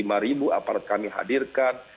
aparat kami hadirkan